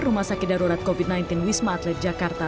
rumah sakit darurat covid sembilan belas wisma atlet jakarta